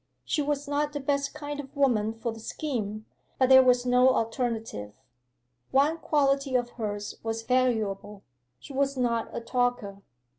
She was not the best kind of woman for the scheme; but there was no alternative. One quality of hers was valuable; she was not a talker.